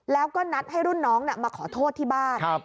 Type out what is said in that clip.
แล้วก็นัดให้รุ่นน้องมาขอโทษที่บ้าน